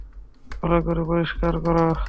ভালো করে পরিষ্কার করো!